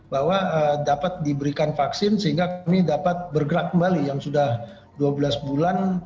bahwa dapat diberikan vaksin sehingga kami dapat bergerak kembali yang sudah dua belas bulan